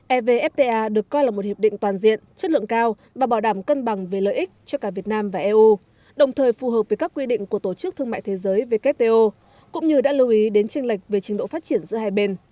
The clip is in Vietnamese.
evfta được coi là một hiệp định toàn diện chất lượng cao và bảo đảm cân bằng về lợi ích cho cả việt nam và eu đồng thời phù hợp với các quy định của tổ chức thương mại thế giới wto cũng như đã lưu ý đến tranh lệch về trình độ phát triển giữa hai bên